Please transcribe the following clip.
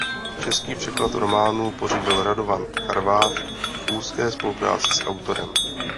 Český překlad románu pořídil Radovan Charvát v úzké spolupráci s autorem.